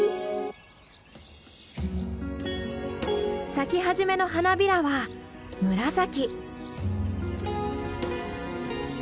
咲き始めの花びらは紫。